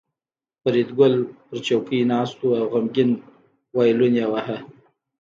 فریدګل په څوکۍ ناست و او غمګین وایلون یې واهه